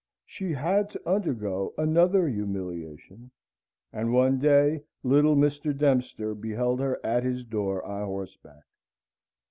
She had to undergo another humiliation, and one day little Mr. Dempster beheld her at his door on horseback.